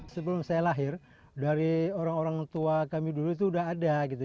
sebelum saya lahir dari orang orang tua kami dulu itu udah ada gitu